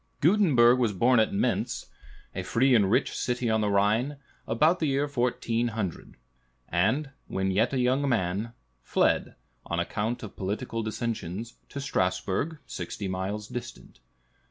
Gutenberg was born at Mentz, a free and rich city on the Rhine, about the year 1400, and, when yet a young man, fled, on account of political dissensions, to Strasbourg, sixty miles distant.